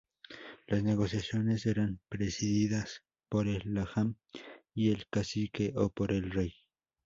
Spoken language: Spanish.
Las negociaciones eran presididas por el lagman y el cacique o por el rey.